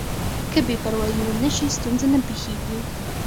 که بې پروايي ونه شي ستونزه نه پېښېږي.